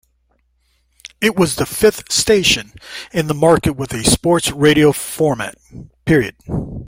It was the fifth station in the market with a sports radio format.